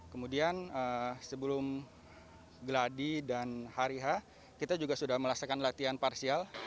kemudian sebelum geladi dan hariha kita juga sudah melaksanakan latihan parsial